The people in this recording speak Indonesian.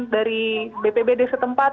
dari bpbd setempat